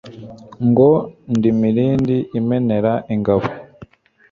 Ngo ndi Mirindi imenera ingabo.